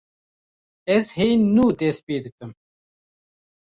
Ez hê nû dest pê dikim.